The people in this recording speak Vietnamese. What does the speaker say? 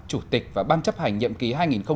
chủ tịch và ban chấp hành nhậm ký